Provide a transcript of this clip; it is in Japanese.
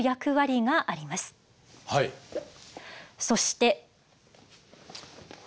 そして。